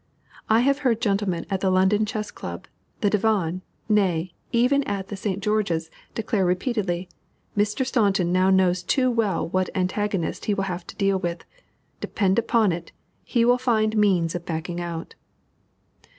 I have heard gentlemen at the London Chess Club, the Divan, nay, even at the St. George's, declare repeatedly "Mr. Staunton now knows too well what antagonist he will have to deal with. Depend upon it, he will find means of backing out."